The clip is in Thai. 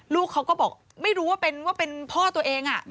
ลูกเขาก็บอกไม่รู้ว่าเป็นพ่อตัวเอง